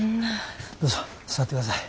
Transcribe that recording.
どうぞ座ってください。